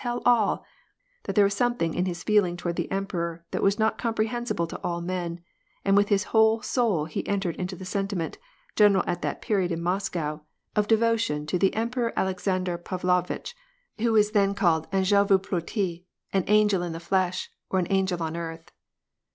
tell all; that there was something in his feeling toward t r^ emperor that was not comprehensible to all men, and with ^ whole soul he entered into the sentiment, general at that pe in Moscow, of devotion to the Emperor Alexander Pavlovi who was called then an^el vo ploti, an angel in the flesh, or angel on earth.